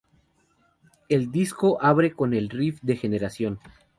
El disco abre con el riff de "Generación".